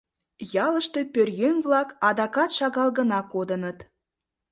Ялыште пӧръеҥ-влак адакат шагал гына кодыныт.